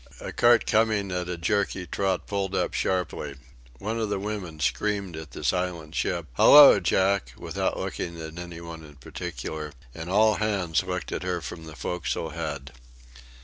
A cart coming at a jerky trot pulled up sharply. One of the women screamed at the silent ship "Hallo, Jack!" without looking at any one in particular, and all hands looked at her from the forecastle head.